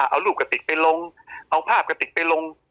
เอารูปกระติกไปลงเอาภาพกระติกไปลง